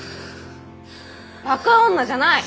バカ女じゃない！